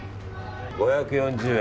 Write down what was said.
５４０円。